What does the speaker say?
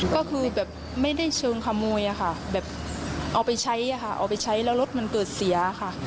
ก็คือแบบไม่ได้เชิงขโมยอะค่ะแบบเอาไปใช้อะค่ะเอาไปใช้แล้วรถมันเกิดเสียค่ะ